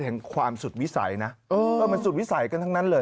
แห่งความสุดวิสัยนะมันสุดวิสัยกันทั้งนั้นเลย